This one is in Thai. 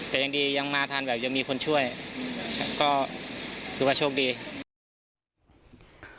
แต่ยังดียังมาทันแบบยังมีคนช่วยก็ถือว่าโชคดี